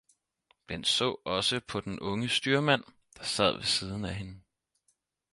Den så også på den unge styrmand, der sad ved siden af hende